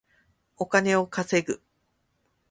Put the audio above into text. お金を稼ぐ